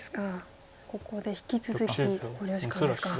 ここで引き続き考慮時間ですか。